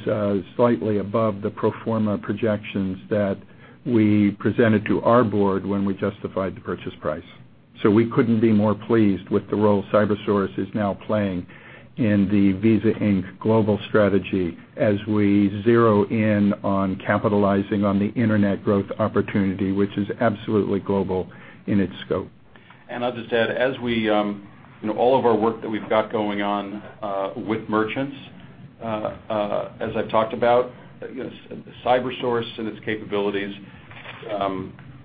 slightly above the pro forma projections that we presented to our board when we justified the purchase price. We couldn't be more pleased with the role CyberSource is now playing in the Visa Inc. global strategy as we zero in on capitalizing on the internet growth opportunity, which is absolutely global in its scope. I'll just add, all of our work that we've got going on with merchants, as I've talked about, CyberSource and its capabilities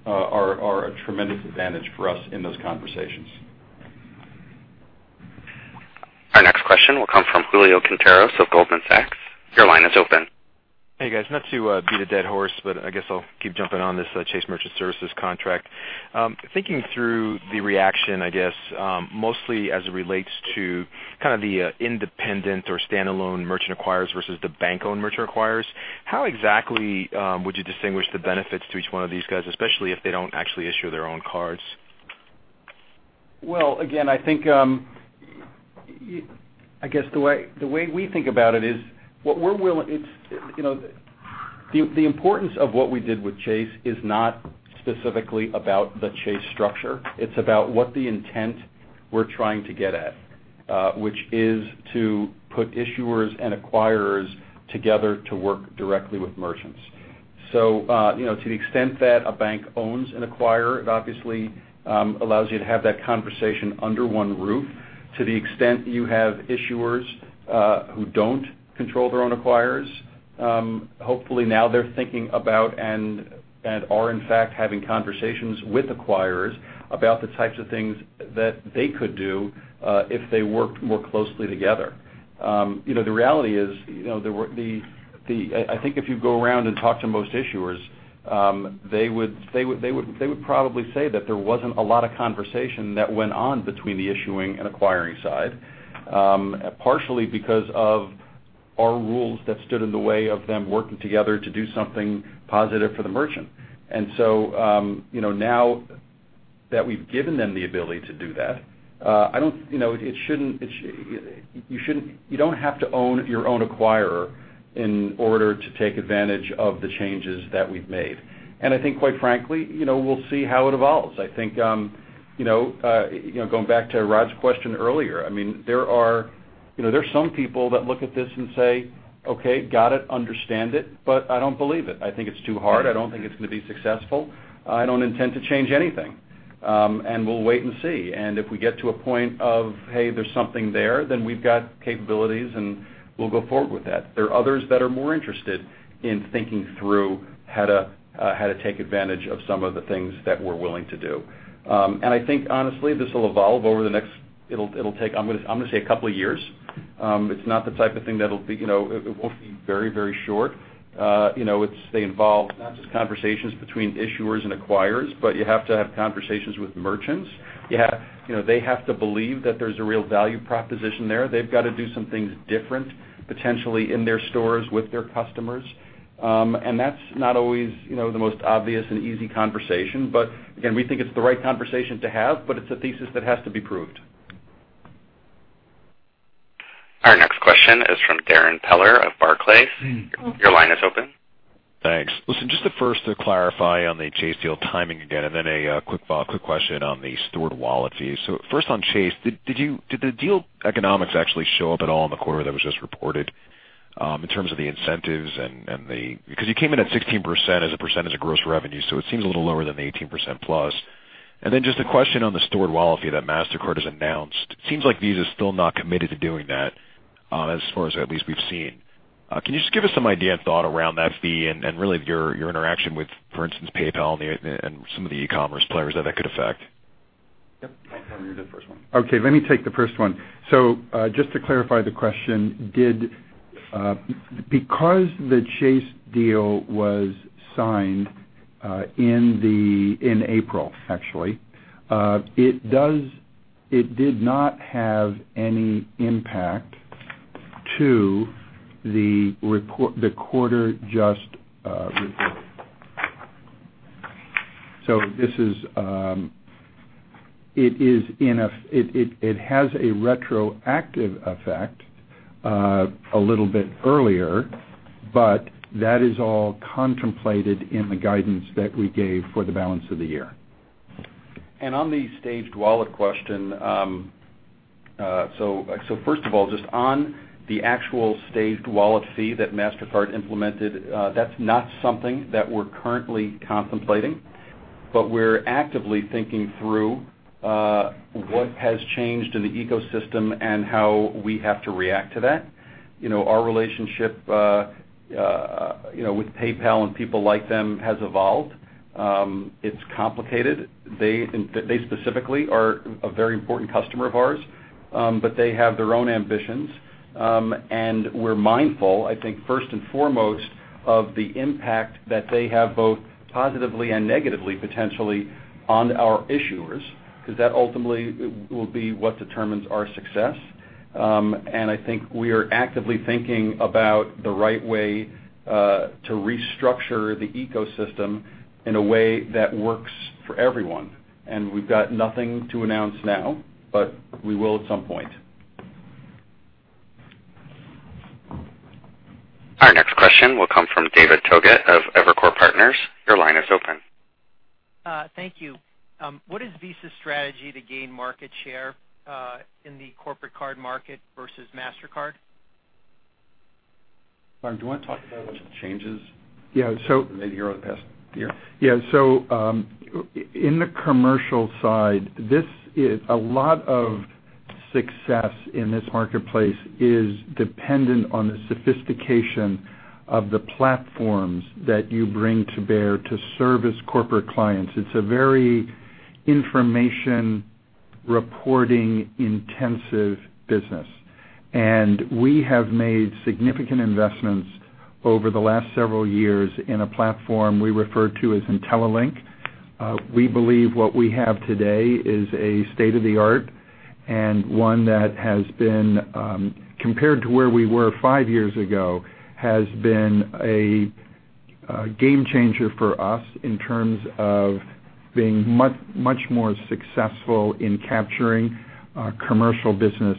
are a tremendous advantage for us in those conversations. Our next question will come from Julio Quinteros of Goldman Sachs. Your line is open. Hey, guys. Not to beat a dead horse, I guess I'll keep jumping on this Chase Merchant Services contract. Thinking through the reaction, I guess, mostly as it relates to kind of the independent or standalone merchant acquirers versus the bank-owned merchant acquirers, how exactly would you distinguish the benefits to each one of these guys, especially if they don't actually issue their own cards? Well, again, I think the way we think about it is the importance of what we did with Chase is not specifically about the Chase structure. It's about what the intent we're trying to get at, which is to put issuers and acquirers together to work directly with merchants. To the extent that a bank owns an acquirer, it obviously allows you to have that conversation under one roof. To the extent you have issuers who don't control their own acquirers, hopefully now they're thinking about, and are in fact having conversations with acquirers about the types of things that they could do if they worked more closely together. The reality is, I think if you go around and talk to most issuers, they would probably say that there wasn't a lot of conversation that went on between the issuing and acquiring side. Partially because of our rules that stood in the way of them working together to do something positive for the merchant. Now that we've given them the ability to do that, you don't have to own your own acquirer in order to take advantage of the changes that we've made. I think, quite frankly, we'll see how it evolves. I think, going back to Rod's question earlier, there are some people that look at this and say, "Okay, got it, understand it, but I don't believe it. I think it's too hard. I don't think it's going to be successful. I don't intend to change anything." We'll wait and see, and if we get to a point of, hey, there's something there, then we've got capabilities and we'll go forward with that. There are others that are more interested in thinking through how to take advantage of some of the things that we're willing to do. I think, honestly, this will evolve over the next, I'm going to say, couple of years. It's not the type of thing that it won't be very short. They involve not just conversations between issuers and acquirers, but you have to have conversations with merchants. They have to believe that there's a real value proposition there. They've got to do some things different, potentially in their stores with their customers. That's not always the most obvious and easy conversation. Again, we think it's the right conversation to have, but it's a thesis that has to be proved. Our next question is from Darrin Peller of Barclays. Your line is open. Thanks. Listen, just first to clarify on the Chase deal timing again, then a quick question on the staged wallet fee. First on Chase, did the deal economics actually show up at all in the quarter that was just reported in terms of the incentives and because you came in at 16% as a percentage of gross revenue, so it seems a little lower than the 18% plus. Just a question on the staged wallet fee that MasterCard has announced. It seems like Visa's still not committed to doing that, as far as at least we've seen. Can you just give us some idea and thought around that fee and really your interaction with, for instance, PayPal and some of the e-commerce players that could affect? Yep. I thought you were going to do the first one. Okay, let me take the first one. Just to clarify the question, because the Chase deal was signed in April, actually, it did not have any impact to the quarter just reported. It has a retroactive effect a little bit earlier, but that is all contemplated in the guidance that we gave for the balance of the year. On the staged wallet question, first of all, just on the actual staged wallet fee that MasterCard implemented, that's not something that we're currently contemplating. We're actively thinking through what has changed in the ecosystem and how we have to react to that. Our relationship with PayPal and people like them has evolved. It's complicated. They specifically are a very important customer of ours, but they have their own ambitions. We're mindful, I think first and foremost, of the impact that they have, both positively and negatively, potentially on our issuers, because that ultimately will be what determines our success. I think we are actively thinking about the right way to restructure the ecosystem in a way that works for everyone. We've got nothing to announce now, but we will at some point. Our next question will come from David Togut of Evercore Partners. Your line is open. Thank you. What is Visa's strategy to gain market share in the corporate card market versus MasterCard? Lauren, do you want to talk about what the changes? Yeah. Maybe over the past year? Yeah. In the commercial side, a lot of success in this marketplace is dependent on the sophistication of the platforms that you bring to bear to service corporate clients. It's a very information reporting intensive business. We have made significant investments over the last several years in a platform we refer to as IntelliLink. We believe what we have today is a state-of-the-art and one that has been, compared to where we were 5 years ago, has been a game changer for us in terms of being much more successful in capturing commercial business,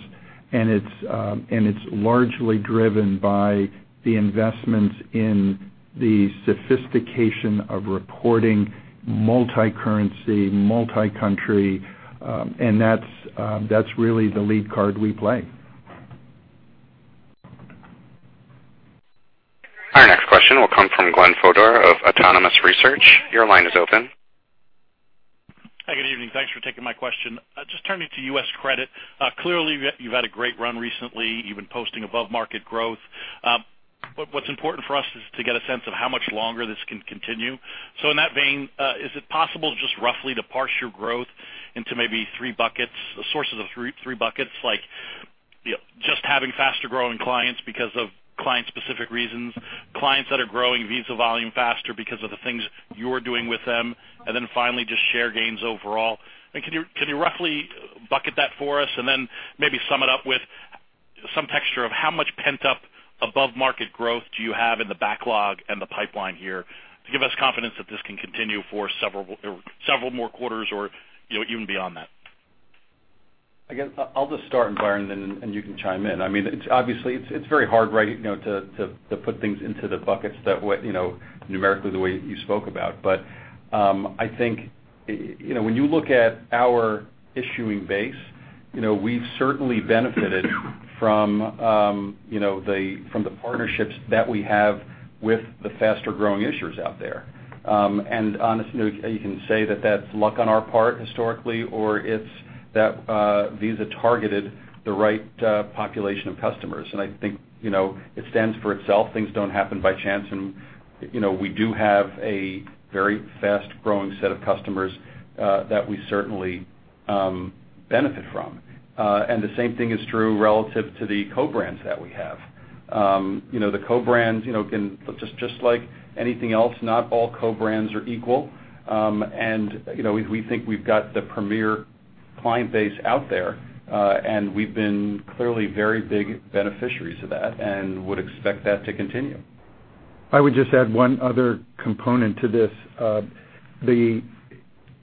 it's largely driven by the investments in the sophistication of reporting multi-currency, multi-country, that's really the lead card we play. Our next question will come from Glenn Fodor of Autonomous Research. Your line is open. Hi, good evening. Thanks for taking my question. Just turning to U.S. credit. Clearly, you've had a great run recently, even posting above-market growth. What's important for us is to get a sense of how much longer this can continue. In that vein, is it possible just roughly to parse your growth into maybe 3 buckets, sources of 3 buckets? Like, just having faster-growing clients because of client-specific reasons, clients that are growing Visa volume faster because of the things you're doing with them, then finally, just share gains overall. Can you roughly bucket that for us then maybe sum it up with some texture of how much pent-up above-market growth do you have in the backlog and the pipeline here to give us confidence that this can continue for several more quarters or even beyond that? I guess I'll just start, Byron, you can chime in. Obviously, it's very hard to put things into the buckets numerically the way you spoke about. I think when you look at our issuing base, we've certainly benefited from the partnerships that we have with the faster-growing issuers out there. Honestly, you can say that that's luck on our part historically, or it's that Visa targeted the right population of customers. I think it stands for itself. Things don't happen by chance, we do have a very fast-growing set of customers that we certainly benefit from. The same thing is true relative to the co-brands that we have. The co-brands, just like anything else, not all co-brands are equal. We think we've got the premier client base out there, and we've been clearly very big beneficiaries of that and would expect that to continue. I would just add one other component to this.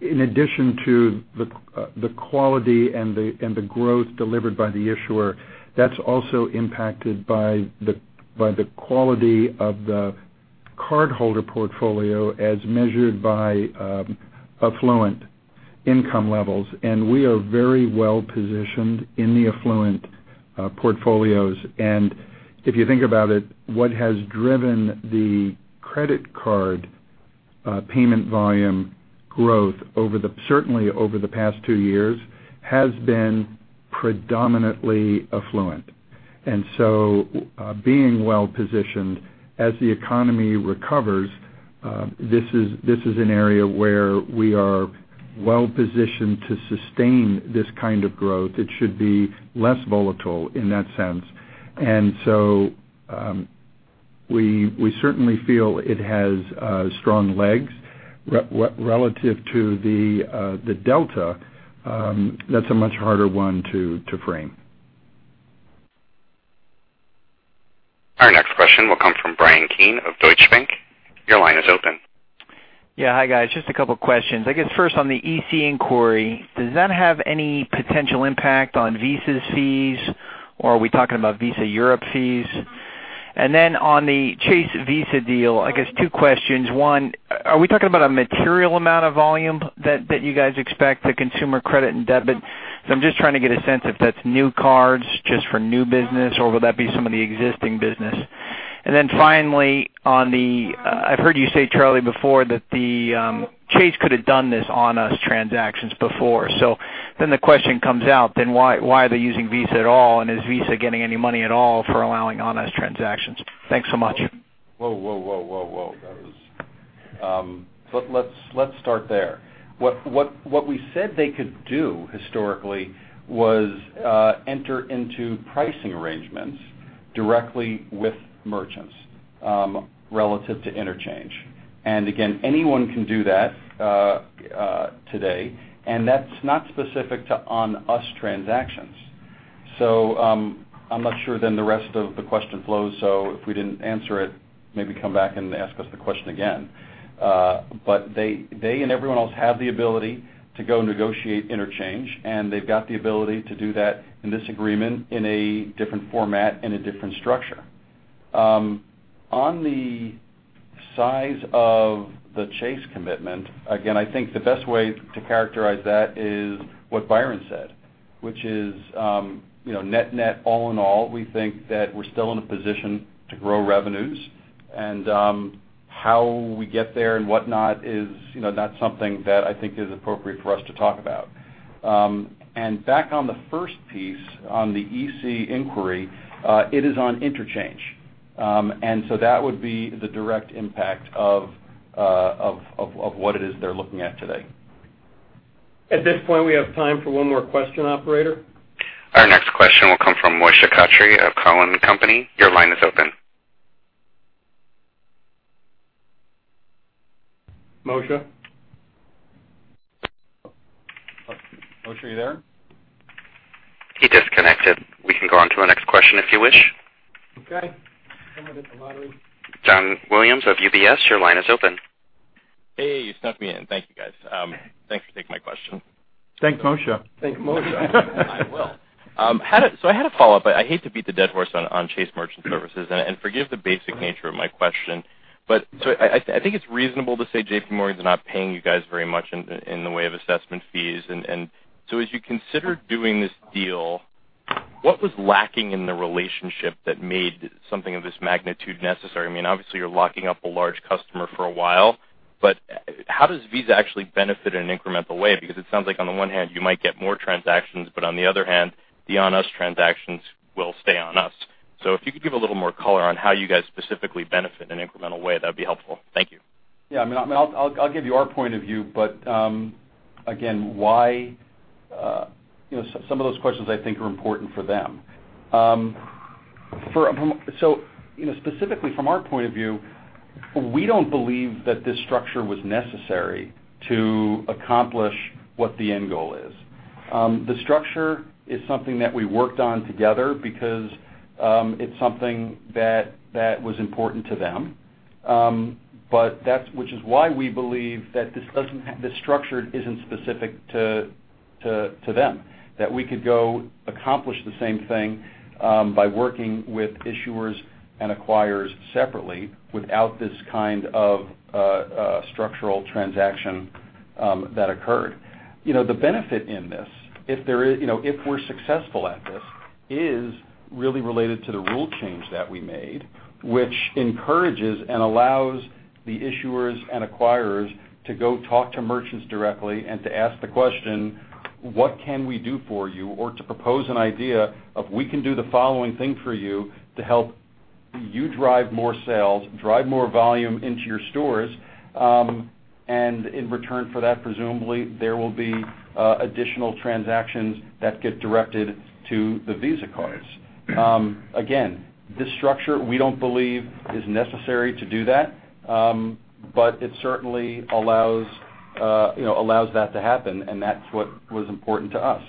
In addition to the quality and the growth delivered by the issuer, that's also impacted by the quality of the cardholder portfolio as measured by affluent income levels. We are very well-positioned in the affluent portfolios. If you think about it, what has driven the credit card payment volume growth, certainly over the past two years, has been predominantly affluent. Being well-positioned as the economy recovers, this is an area where we are well-positioned to sustain this kind of growth. It should be less volatile in that sense. We certainly feel it has strong legs relative to the delta. That's a much harder one to frame. Our next question will come from Bryan Keane of Deutsche Bank. Your line is open. Hi, guys. Just a couple of questions. I guess first on the EC inquiry, does that have any potential impact on Visa's fees, or are we talking about Visa Europe fees? On the Chase Visa deal, I guess two questions. One, are we talking about a material amount of volume that you guys expect to consumer credit and debit? I'm just trying to get a sense if that's new cards just for new business, or will that be some of the existing business? Finally, I've heard you say, Charlie, before that Chase could have done this on-us transactions before. The question comes out, then why are they using Visa at all? Is Visa getting any money at all for allowing on-us transactions? Thanks so much. Let's start there. What we said they could do historically was enter into pricing arrangements directly with merchants relative to interchange. Again, anyone can do that today, and that's not specific to on-us transactions. I'm not sure then the rest of the question flows, so if we didn't answer it, maybe come back and ask us the question again. They and everyone else have the ability to go negotiate interchange, and they've got the ability to do that in this agreement in a different format and a different structure. On the size of the Chase commitment, again, I think the best way to characterize that is what Byron said, which is net, all in all, we think that we're still in a position to grow revenues. How we get there and whatnot is not something that I think is appropriate for us to talk about. Back on the first piece on the EC inquiry, it is on interchange. That would be the direct impact of what it is they're looking at today. At this point, we have time for one more question, operator. Our next question will come from Moshe Katri of Cowen and Company. Your line is open. Moshe? Moshe, are you there? He disconnected. We can go on to the next question if you wish. Okay. Someone hit the lottery. John Williams of UBS, your line is open. Hey, you snuck me in. Thank you, guys. Thanks for taking my question. Thank Moshe. Thank Moshe. I will. I had a follow-up. I hate to beat the dead horse on Chase Merchant Services, and forgive the basic nature of my question. I think it's reasonable to say JPMorgan's not paying you guys very much in the way of assessment fees. As you consider doing this deal, what was lacking in the relationship that made something of this magnitude necessary? Obviously, you're locking up a large customer for a while, but how does Visa actually benefit in an incremental way? It sounds like on the one hand you might get more transactions, but on the other hand, the on-us transactions will stay on us. If you could give a little more color on how you guys specifically benefit in an incremental way, that'd be helpful. Thank you. I'll give you our point of view, but again, some of those questions I think are important for them. Specifically from our point of view, we don't believe that this structure was necessary to accomplish what the end goal is. The structure is something that we worked on together because it's something that was important to them. We believe that this structure isn't specific to them, that we could go accomplish the same thing by working with issuers and acquirers separately without this kind of structural transaction that occurred. The benefit in this, if we're successful at this, is really related to the rule change that we made, which encourages and allows the issuers and acquirers to go talk to merchants directly and to ask the question, "What can we do for you?" Or to propose an idea of, "We can do the following thing for you to help you drive more sales, drive more volume into your stores." In return for that, presumably there will be additional transactions that get directed to the Visa cards. Again, this structure, we don't believe is necessary to do that. It certainly allows that to happen, and that's what was important to us.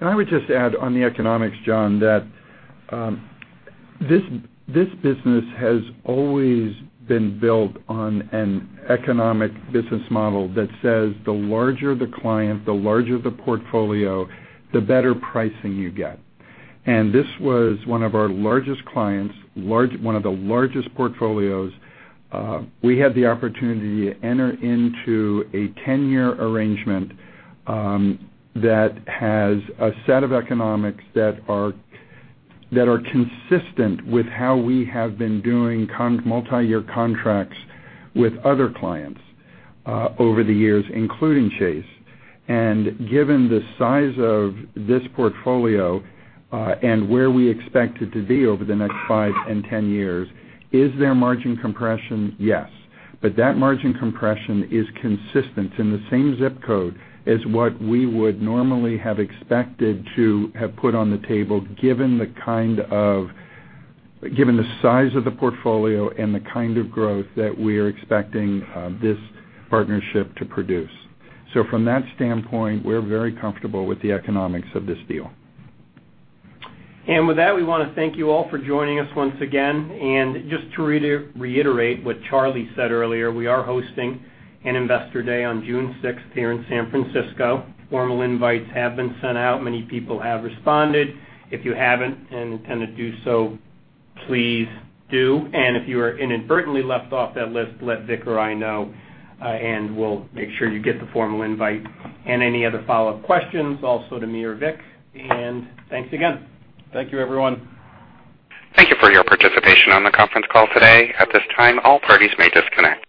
I would just add on the economics, John, that this business has always been built on an economic business model that says the larger the client, the larger the portfolio, the better pricing you get. This was one of our largest clients, one of the largest portfolios. We had the opportunity to enter into a 10-year arrangement that has a set of economics that are consistent with how we have been doing multi-year contracts with other clients over the years, including Chase. Given the size of this portfolio, and where we expect it to be over the next five and 10 years, is there margin compression? Yes. That margin compression is consistent in the same zip code as what we would normally have expected to have put on the table, given the size of the portfolio and the kind of growth that we're expecting this partnership to produce. From that standpoint, we're very comfortable with the economics of this deal. With that, we want to thank you all for joining us once again. Just to reiterate what Charlie said earlier, we are hosting an investor day on June 6th here in San Francisco. Formal invites have been sent out. Many people have responded. If you haven't and intend to do so, please do. If you are inadvertently left off that list, let Vic or I know, and we'll make sure you get the formal invite. Any other follow-up questions, also to me or Vic, and thanks again. Thank you everyone. Thank you for your participation on the conference call today. At this time, all parties may disconnect.